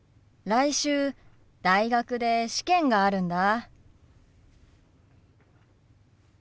来週大学で試験があるんだ。